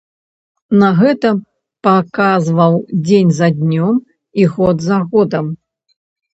На гэта паказваў дзень за днём і год за годам.